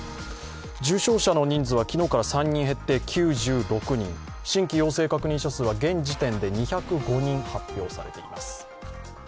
重症者の人数は昨日から３人減って９６人、新規陽性確認者数は現時点で２０５人発表されています。